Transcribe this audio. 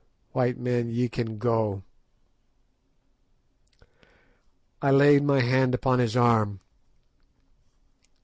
White men, ye can go." I laid my hand upon his arm.